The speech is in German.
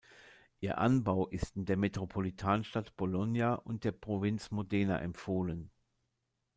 Ihr Anbau ist in der Metropolitanstadt Bologna und der Provinz Modena empfohlen.